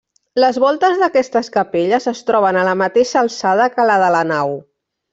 Les voltes d'aquestes capelles es troben a la mateixa alçada que la de la nau.